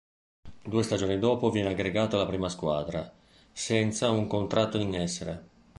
Due stagioni dopo viene aggregato alla Prima Squadra, senza un contratto in essere.